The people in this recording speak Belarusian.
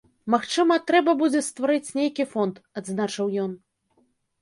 Магчыма, трэба будзе стварыць нейкі фонд, адзначыў ён.